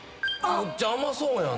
むっちゃ甘そうやん！